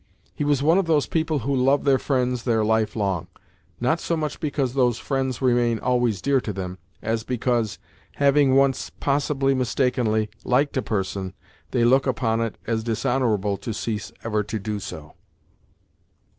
He was one of those people who love their friends their life long, not so much because those friends remain always dear to them, as because, having once possibly mistakenly liked a person, they look upon it as dishonourable to cease ever to do so.